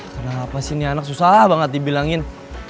kenapa sih nih anak susah banget dibilangin